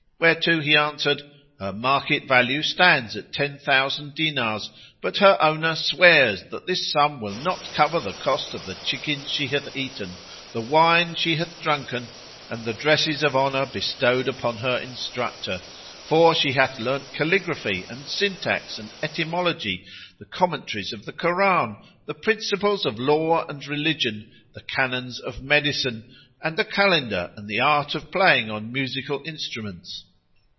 whereto he answered, "Her market value stands at ten thousand dinars, but her owner swears that this sum will not cover the cost of the chickens she hath eaten, the wine she hath drunken and the dresses of honour bestowed upon her instructor: for she hath learned calligraphy and syntax and etymology; the commentaries of the Koran; the principles of law and religion; the canons of medicine, and the calendar and the art of playing on musical instruments."